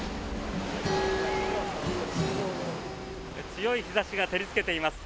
強い日差しが照りつけています。